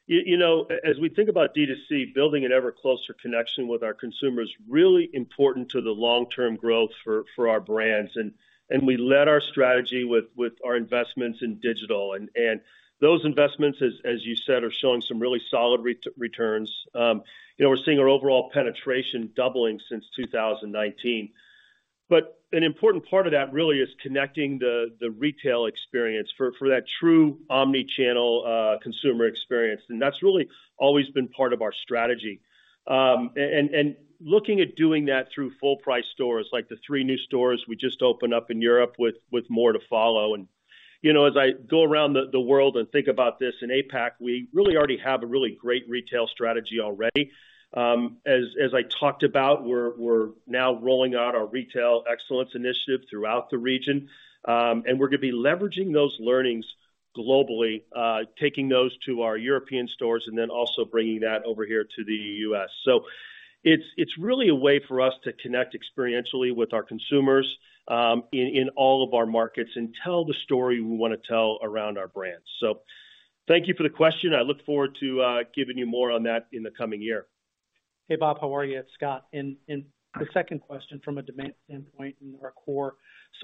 You know, as we think about D2C, building an ever closer connection with our consumer is really important to the long-term growth for our brands. We led our strategy with our investments in digital. Those investments, as you said, are showing some really solid returns. You know, we're seeing our overall penetration doubling since 2019. An important part of that really is connecting the retail experience for that true omni-channel consumer experience. That's really always been part of our strategy. Looking at doing that through full price stores, like the Three new stores we just opened up in Europe with more to follow. You know, as I go around the world and think about this in APAC, we really already have a really great retail strategy already. As I talked about, we're now rolling out our Retail Excellence Initiative throughout the region. We're gonna be leveraging those learnings globally, taking those to our European stores and then also bringing that over here to the US. It's really a way for us to connect experientially with our consumers, in all of our markets and tell the story we wanna tell around our brands. Thank you for the question. I look forward to giving you more on that in the coming year. Hey, Bob, how are you? It's Scott. The second question from a demand standpoint in our core.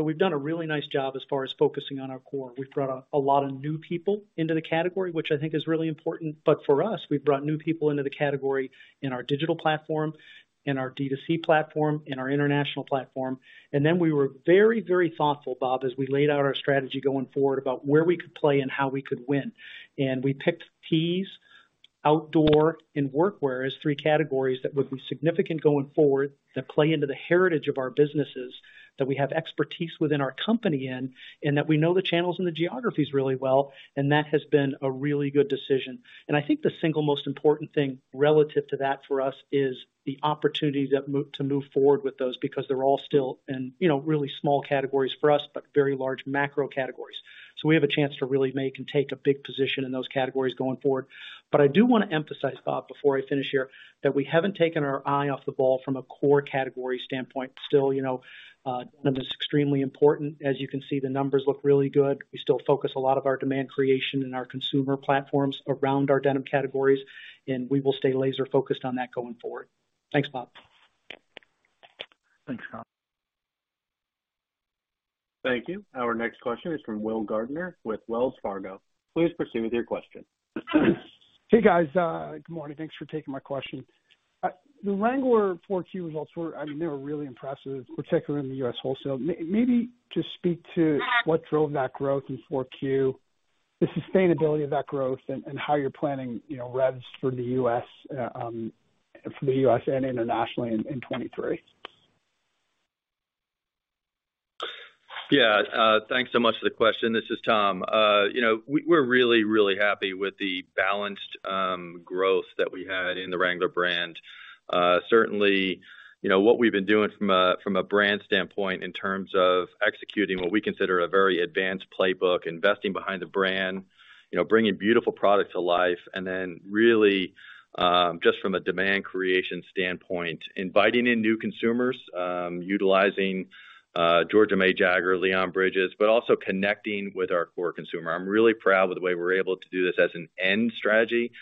We've done a really nice job as far as focusing on our core. We've brought a lot of new people into the category, which I think is really important. For us, we've brought new people into the category in our digital platform, in our D2C platform, in our international platform. We were very, very thoughtful, Bob, as we laid out our strategy going forward about where we could play and how we could win. We picked tees, outdoor, and workwear as three categories that would be significant going forward, that play into the heritage of our businesses, that we have expertise within our company in, and that we know the channels and the geographies really well. That has been a really good decision. I think the single most important thing relative to that for us is the opportunity to move forward with those, because they're all still in, you know, really small categories for us, but very large macro categories. We have a chance to really make and take a big position in those categories going forward. I do wanna emphasize, Bob, before I finish here, that we haven't taken our eye off the ball from a core category standpoint. Still, you know, denim is extremely important. As you can see, the numbers look really good. We still focus a lot of our demand creation in our consumer platforms around our denim categories, and we will stay laser focused on that going forward. Thanks, Bob. Thanks, Scott. Thank you. Our next question is from Will Gardner with Wells Fargo. Please proceed with your question. Hey, guys. Good morning. Thanks for taking my question. The Wrangler 4Q results were I mean, they were really impressive, particularly in the U.S. wholesale. Maybe just speak to what drove that growth in 4Q, the sustainability of that growth, and how you're planning, you know, revs for the U.S. for the U.S. and internationally in 2023? Yeah. Thanks so much for the question. This is Tom. You know, we're really happy with the balanced growth that we had in the Wrangler brand. Certainly, you know, what we've been doing from a brand standpoint in terms of executing what we consider a very advanced playbook, investing behind the brand, you know, bringing beautiful product to life, and then really, just from a demand creation standpoint, inviting in new consumers, utilizing Georgia May Jagger, Leon Bridges, but also connecting with our core consumer. I'm really proud with the way we're able to do this as an end strategy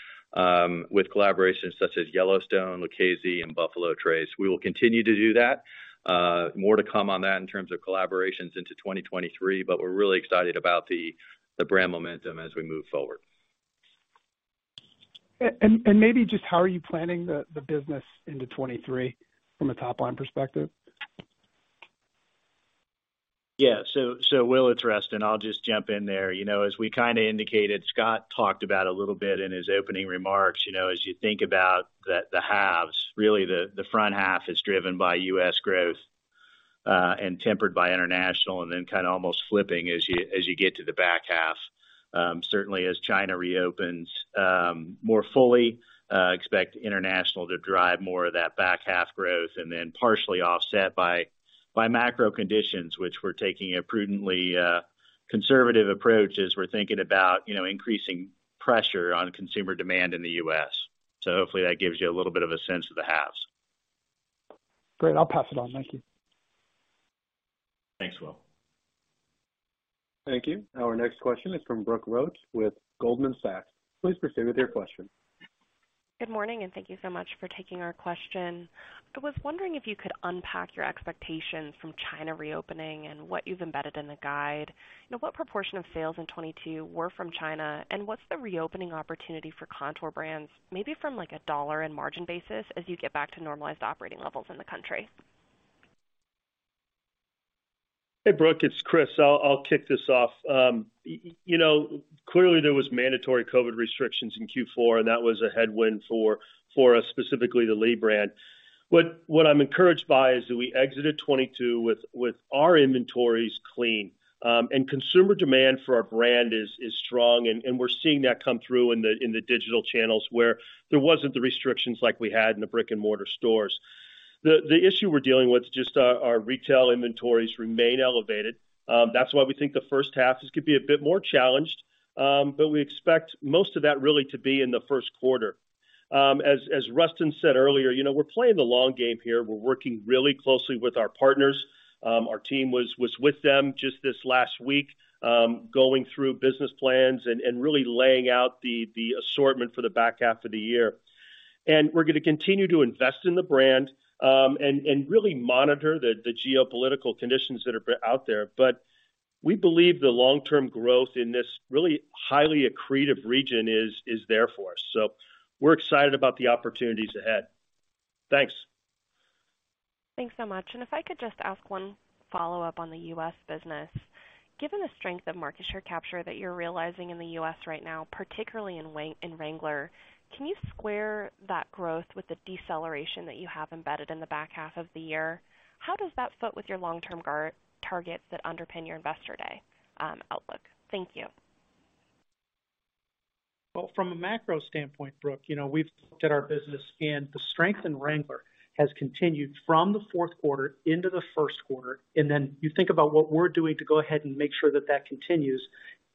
with collaborations such as Yellowstone, Lucchese, and Buffalo Trace. We will continue to do that. More to come on that in terms of collaborations into 2023. We're really excited about the brand momentum as we move forward. Maybe just how are you planning the business into 2023 from a top line perspective? Will, it's Rustin. I'll just jump in there. You know, as we kinda indicated, Scott talked about a little bit in his opening remarks, you know, as you think about the halves, really the front half is driven by U.S. growth and tempered by international, and then kinda almost flipping as you get to the back half. Certainly as China reopens more fully, expect international to drive more of that back half growth and then partially offset by macro conditions, which we're taking a prudently conservative approach as we're thinking about, you know, increasing pressure on consumer demand in the U.S. Hopefully that gives you a little bit of a sense of the halves. Great. I'll pass it on. Thank you. Thanks, Will. Thank you. Our next question is from Brooke Roach with Goldman Sachs. Please proceed with your question. Good morning. Thank you so much for taking our question. I was wondering if you could unpack your expectations from China reopening and what you've embedded in the guide. You know, what proportion of sales in 2022 were from China, and what's the reopening opportunity for Kontoor Brands, maybe from like a $ and margin basis as you get back to normalized operating levels in the country? Hey, Brooke, it's Chris. I'll kick this off. You know, clearly there was mandatory COVID restrictions in Q4, that was a headwind for us, specifically the Lee brand. What I'm encouraged by is that we exited 22 with our inventories clean, consumer demand for our brand is strong and we're seeing that come through in the digital channels where there wasn't the restrictions like we had in the brick-and-mortar stores. The issue we're dealing with just our retail inventories remain elevated. That's why we think the first half is gonna be a bit more challenged, we expect most of that really to be in the first quarter. As Rustin said earlier, you know, we're playing the long game here. We're working really closely with our partners. Our team was with them just this last week, going through business plans and really laying out the assortment for the back half of the year. We're gonna continue to invest in the brand, and really monitor the geopolitical conditions that are out there. We believe the long-term growth in this really highly accretive region is there for us. We're excited about the opportunities ahead. Thanks. Thanks so much. If I could just ask one follow-up on the U.S. business. Given the strength of market share capture that you're realizing in the U.S. right now, particularly in Wrangler, can you square that growth with the deceleration that you have embedded in the back half of the year? How does that fit with your long-term targets that underpin your Investor Day outlook? Thank you. Well, from a macro standpoint, Brooke, you know, we've looked at our business and the strength in Wrangler has continued from the fourth quarter into the first quarter. You think about what we're doing to go ahead and make sure that that continues.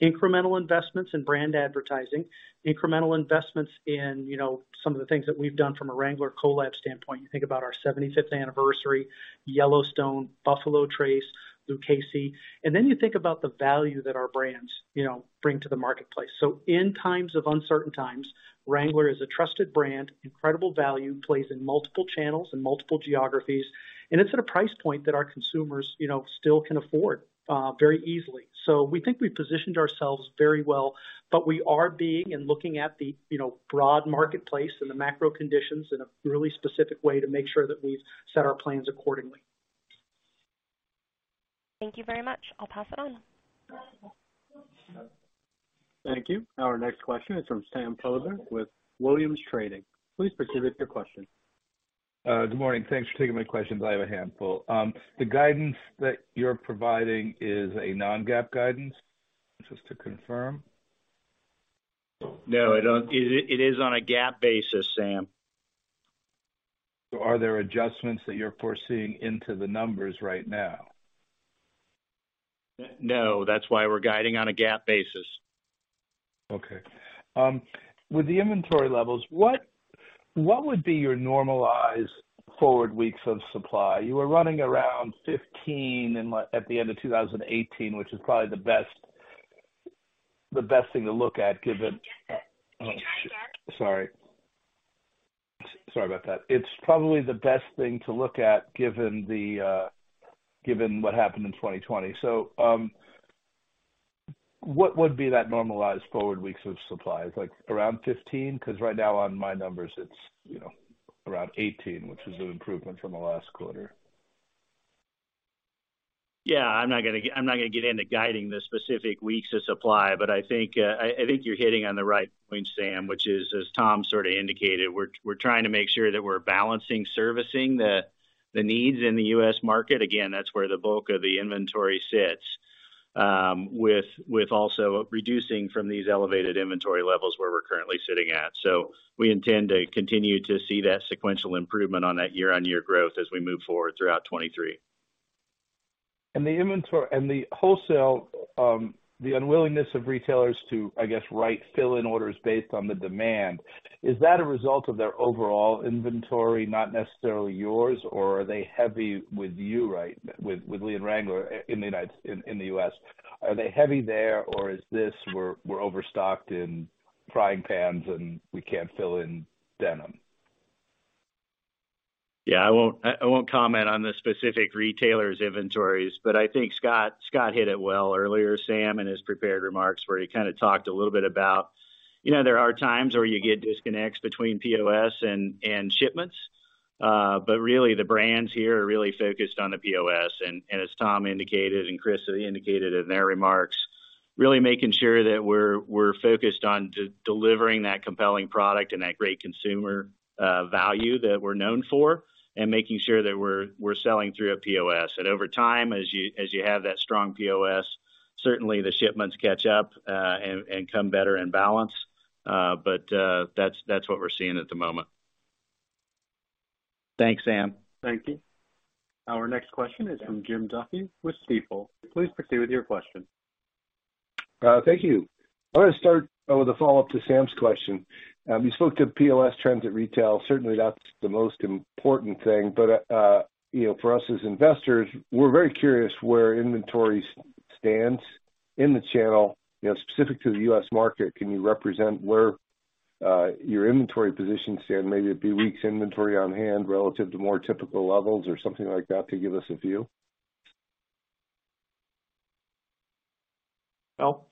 Incremental investments in brand advertising, incremental investments in, you know, some of the things that we've done from a Wrangler collab standpoint. You think about our 75th anniversary, Yellowstone, Buffalo Trace, Lucchese. You think about the value that our brands, you know, bring to the marketplace. In times of uncertain times, Wrangler is a trusted brand, incredible value, plays in multiple channels and multiple geographies, and it's at a price point that our consumers, you know, still can afford, very easily. We think we positioned ourselves very well, but we are being and looking at the, you know, broad marketplace and the macro conditions in a really specific way to make sure that we've set our plans accordingly. Thank you very much. I'll pass it on. Thank you. Our next question is from Sam Poser with Williams Trading. Please proceed with your question. Good morning. Thanks for taking my questions. I have a handful. The guidance that you're providing is a non-GAAP guidance, just to confirm. No, I don't. It is on a GAAP basis, Sam. Are there adjustments that you're foreseeing into the numbers right now? No, that's why we're guiding on a GAAP basis. Okay. With the inventory levels, what would be your normalized forward weeks of supply? You were running around 15 at the end of 2018, which is probably the best thing to look at given. Can you try again? Sorry. Sorry about that. It's probably the best thing to look at given the given what happened in 2020. What would be that normalized forward weeks of supply? Like, around 15? 'Cause right now on my numbers, it's, you know, around 18, which is an improvement from the last quarter. Yeah. I'm not gonna get into guiding the specific weeks of supply. I think you're hitting on the right point, Sam, which is, as Tom sort of indicated, we're trying to make sure that we're balancing servicing the needs in the U.S. market. Again, that's where the bulk of the inventory sits. With also reducing from these elevated inventory levels where we're currently sitting at. We intend to continue to see that sequential improvement on that year-on-year growth as we move forward throughout 2023. The inventory and the wholesale, the unwillingness of retailers to, I guess, write fill-in orders based on the demand, is that a result of their overall inventory, not necessarily yours? Are they heavy with you with Lee and Wrangler in the US, or is this we're overstocked in frying pans, and we can't fill in denim? Yeah. I won't comment on the specific retailers' inventories. I think Scott hit it well earlier, Sam, in his prepared remarks where he kinda talked a little bit about, you know, there are times where you get disconnects between POS and shipments. Really the brands here are really focused on the POS. As Tom indicated and Chris indicated in their remarks, really making sure that we're focused on delivering that compelling product and that great consumer value that we're known for and making sure that we're selling through a POS. Over time, as you have that strong POS, certainly the shipments catch up and come better in balance. That's what we're seeing at the moment. Thanks, Sam. Thank you. Our next question is from Jim Duffy with Stifel. Please proceed with your question. Thank you. I wanna start with a follow-up to Sam's question. You spoke to POS trends at retail. Certainly, that's the most important thing. you know, for us as investors, we're very curious where inventory stands in the channel. You know, specific to the U.S. market, can you represent where your inventory positions stand? Maybe it'd be weeks inventory on hand relative to more typical levels or something like that to give us a view.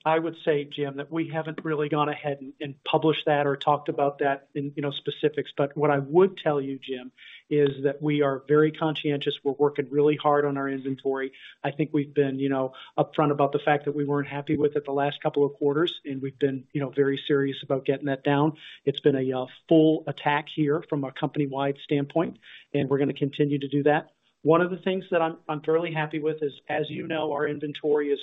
I would say, Jim, that we haven't really gone ahead and published that or talked about that in, you know, specifics. What I would tell you, Jim, is that we are very conscientious. We're working really hard on our inventory. I think we've been, you know, upfront about the fact that we weren't happy with it the last couple of quarters, and we've been, you know, very serious about getting that down. It's been a full attack here from a company-wide standpoint, and we're gonna continue to do that. One of the things that I'm fairly happy with is, as you know, our inventory is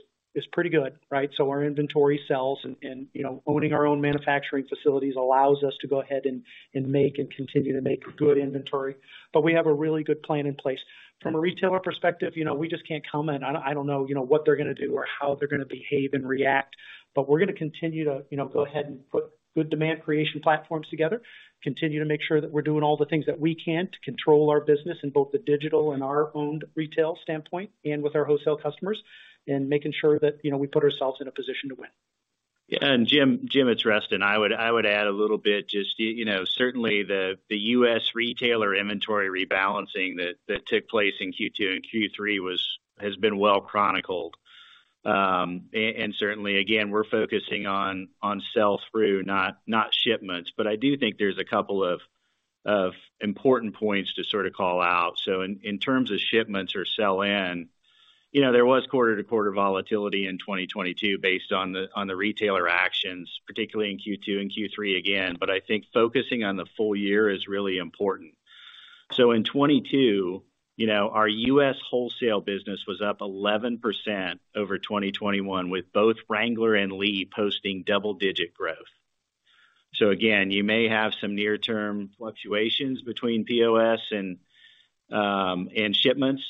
pretty good, right? Our inventory sells and, you know, owning our own manufacturing facilities allows us to go ahead and make and continue to make good inventory. We have a really good plan in place. From a retailer perspective, you know, we just can't comment. I don't know, you know, what they're gonna do or how they're gonna behave and react, but we're gonna continue to, you know, go ahead and put good demand creation platforms together, continue to make sure that we're doing all the things that we can to control our business in both the digital and our owned retail standpoint and with our wholesale customers and making sure that, you know, we put ourselves in a position to win. Yeah. Jim, it's Rustin. I would add a little bit just, you know, certainly the U.S. retailer inventory rebalancing that took place in Q2 and Q3 has been well chronicled. And certainly again, we're focusing on sell through, not shipments. I do think there's a couple of important points to sort of call out. In terms of shipments or sell-in, you know, there was quarter-to-quarter volatility in 2022 based on the retailer actions, particularly in Q2 and Q3 again. I think focusing on the full year is really important. In 2022, you know, our U.S. wholesale business was up 11% over 2021, with both Wrangler and Lee posting double digit growth. Again, you may have some near-term fluctuations between POS and shipments,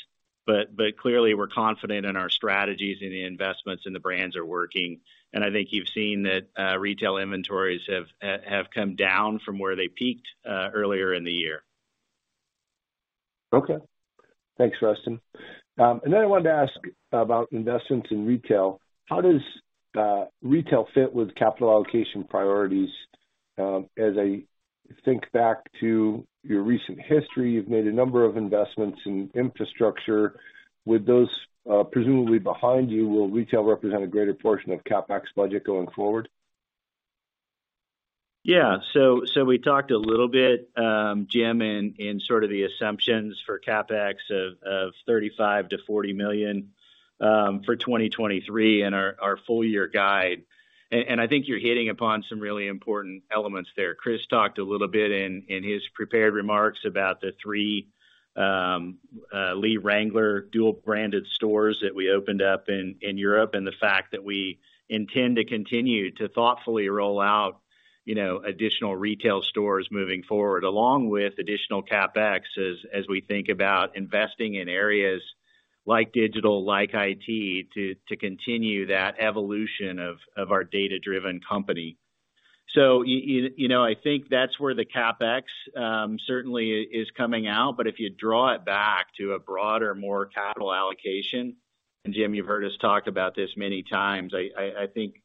but clearly we're confident in our strategies and the investments and the brands are working. I think you've seen that retail inventories have come down from where they peaked earlier in the year. Okay. Thanks, Rustin. I wanted to ask about investments in retail. How does retail fit with capital allocation priorities? As I think back to your recent history, you've made a number of investments in infrastructure. With those, presumably behind you, will retail represent a greater portion of CapEx budget going forward? We talked a little bit, Jim, in sort of the assumptions for CapEx of $35 million-$40 million for 2023 in our full year guide. I think you're hitting upon some really important elements there. Chris talked a little bit in his prepared remarks about the Three Lee Wrangler dual branded stores that we opened up in Europe, and the fact that we intend to continue to thoughtfully roll out, you know, additional retail stores moving forward, along with additional CapEx as we think about investing in areas like digital, like IT, to continue that evolution of our data-driven company. You know, I think that's where the CapEx certainly is coming out. If you draw it back to a broader, more capital allocation, and Jim, you've heard us talk about this many times, I think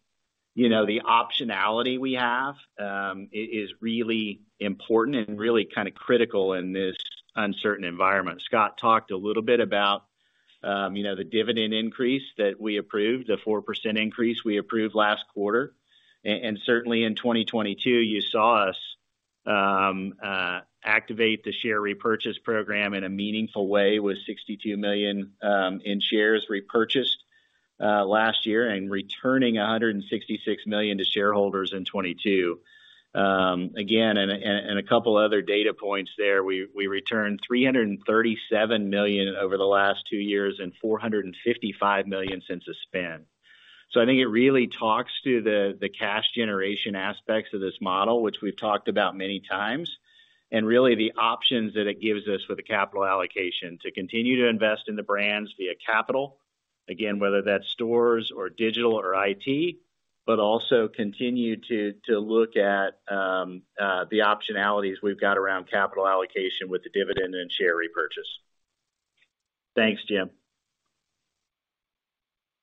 the optionality we have is really important and really kind of critical in this uncertain environment. Scott talked a little bit about the dividend increase that we approved, the 4% increase we approved last quarter. Certainly in 2022, you saw us activate the share repurchase program in a meaningful way with $62 million in shares repurchased last year and returning $166 million to shareholders in 2022. Again, and a couple other data points there, we returned $337 million over the last two years and $455 million since the spin. I think it really talks to the cash generation aspects of this model, which we've talked about many times, and really the options that it gives us for the capital allocation to continue to invest in the brands via capital, again, whether that's stores or digital or IT, but also continue to look at the optionalities we've got around capital allocation with the dividend and share repurchase. Thanks, Jim.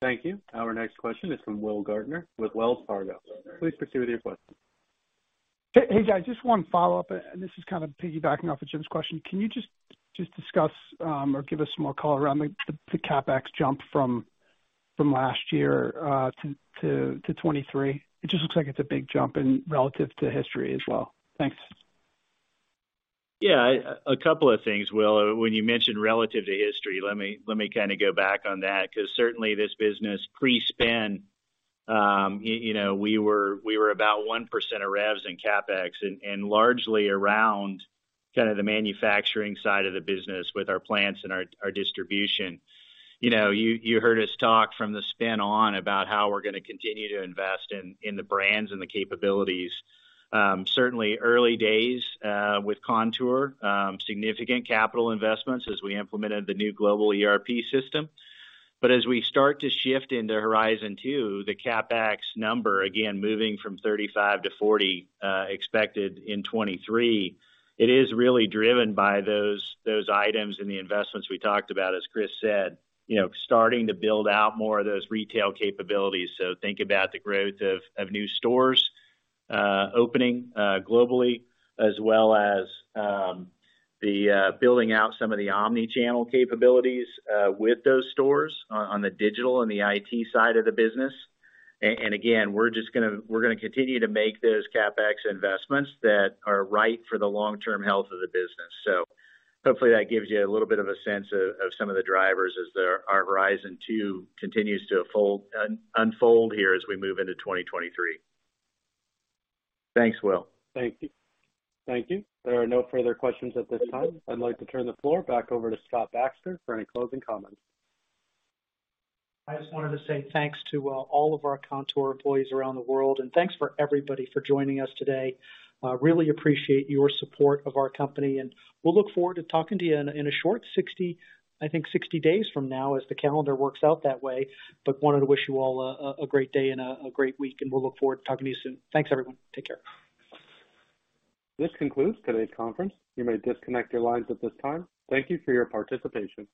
Thank you. Our next question is from Will Gardner with Wells Fargo. Please proceed with your question. Hey, guys, just one follow-up, this is kind of piggybacking off of Jim's question. Can you just discuss or give us some more color around the CapEx jump from last year to 2023? It just looks like it's a big jump and relative to history as well. Thanks. Yeah. A couple of things, Will. When you mentioned relative to history, let me kind of go back on that, because certainly this business pre-spin, you know, we were about 1% of revs in CapEx, and largely around kind of the manufacturing side of the business with our plants and our distribution. You know, you heard us talk from the spin on about how we're going to continue to invest in the brands and the capabilities. Certainly early days with Kontoor, significant capital investments as we implemented the new global ERP system. As we start to shift into Horizon Two, the CapEx number, again, moving from 35-40, expected in 2023, it is really driven by those items and the investments we talked about, as Chris said, you know, starting to build out more of those retail capabilities. Think about the growth of new stores, opening globally as well as the building out some of the omni-channel capabilities with those stores on the digital and the IT side of the business. Again, we're going to continue to make those CapEx investments that are right for the long term health of the business. Hopefully that gives you a little bit of a sense of some of the drivers as our Horizon Two continues to unfold here as we move into 2023. Thanks, Will Thank you. Thank you. There are no further questions at this time. I'd like to turn the floor back over to Scott Baxter for any closing comments. I just wanted to say thanks to, all of our Kontoor employees around the world. Thanks for everybody for joining us today. Really appreciate your support of our company, and we'll look forward to talking to you in a, in a short 60 days from now as the calendar works out that way. Wanted to wish you all a great day and a great week, and we'll look forward to talking to you soon. Thanks, everyone. Take care. This concludes today's conference. You may disconnect your lines at this time. Thank you for your participation.